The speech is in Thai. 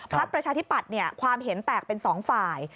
พักประชาธิบัตรความเห็นแตกเป็น๒ฝ่าย